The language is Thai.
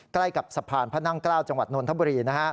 ใกล้กับสะพานพระนั่งเกล้าจังหวัดนนทบุรี